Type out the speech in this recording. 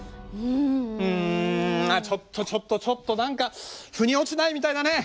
んちょっとちょっとちょっと何かふに落ちないみたいだね。